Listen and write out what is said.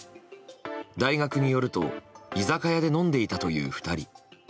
大学によると居酒屋で飲んでいたという２人。